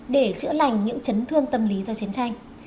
để chữa lành những chấn thương tâm lý do chiến tranh